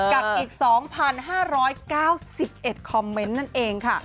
กับอีก๒๕๙๑คอมเมนต์นั่นเองค่ะ